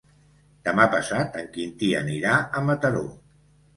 Demà passat en Quim anirà a Mataró.